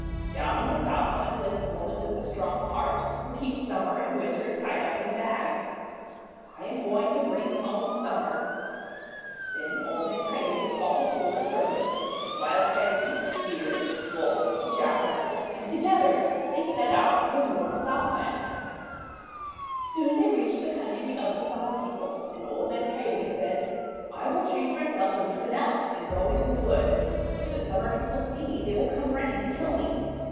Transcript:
Down in the Southland lives Woman with the Strong Heart, who keeps Summer and Winter tied up in bags. I am going to bring home Summer." Then Old Man Coyote called his four servants, Wild Coyote, Deer, Wolf, and Jack Rabbit, and together they set out for the warm Southland. 414 THE WONDER GARDEN Soon they reached the country of the Summer People, and Old Man Coyote said : 'I will change myself into an Elk, and go into the wood. When the Summer People see me, they will come running to kill me.